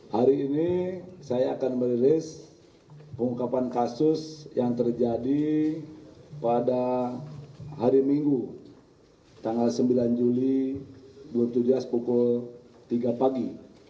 hari ini saya akan merilis pengungkapan kasus yang terjadi pada hari minggu tanggal sembilan juli dua ribu tujuh belas pukul tiga pagi